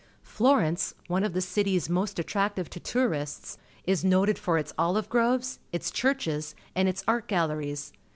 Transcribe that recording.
Florencej^ one of the cities most attractive "tD tT5urists, is noted for its olive groves, its churches, and its art galleries.